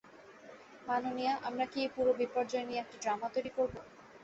মাননীয়া, আমরা কি এই পুরো বিপর্যয় নিয়ে একটা ড্রামা তৈরি করব?